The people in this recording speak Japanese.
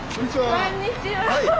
こんにちは。